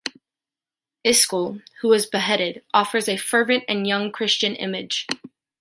Iscle, who was beheaded, offers a fervent and young Christian image.